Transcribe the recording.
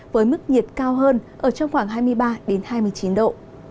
với mức nhiệt cao hơn ở trong khoảng hai mươi ba hai mươi chín độ